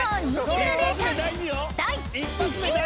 ［第１位は］